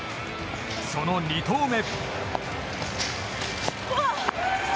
その２投目。